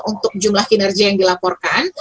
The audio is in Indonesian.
untuk jumlah kinerja yang dilaporkan